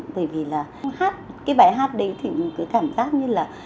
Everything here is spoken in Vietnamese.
bởi vì là hát cái bài hát đấy thì cứ cảm giác như là